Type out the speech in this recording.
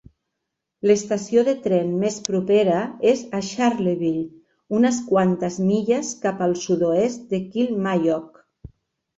L'estació de tren més propera és a Charleville, unes quantes milles cap al sud-oest de Kilmallock.